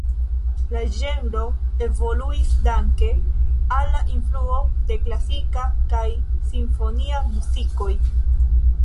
La ĝenro evoluis danke al la influo de klasika kaj simfonia muzikoj.